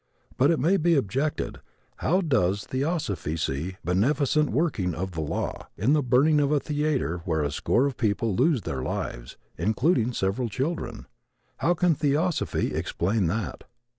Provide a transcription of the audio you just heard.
But, it may be objected, how does theosophy see "beneficent working of the law" in the burning of a theater where a score of people lose their lives, including several children? How can theosophy explain that?